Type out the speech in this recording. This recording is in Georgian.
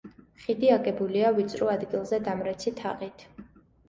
ხიდი აგებულია ვიწრო ადგილზე დამრეცი თაღით.